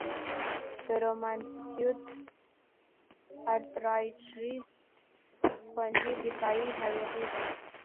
د روماتویید ارترایټرایټس خودي دفاعي ناروغي ده.